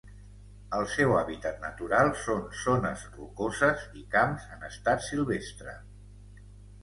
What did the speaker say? El seu hàbitat natural són zones rocoses i camps en estat silvestre.